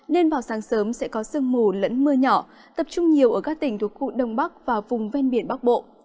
nên vào sáng sớm sẽ có sương mù lẫn mưa nhỏ tập trung nhiều ở các tỉnh thuộc khu đông bắc và vùng ven biển bắc bộ